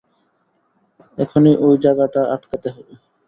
এখনি ও জায়গাটা আটকাতে হবে।